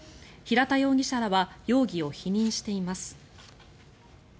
平田容疑者らは容疑を否認しています。